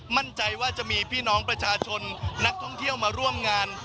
มั่นใจว่าจะมีพี่น้องประชาชนนักท่องเที่ยวมาร่วมงาน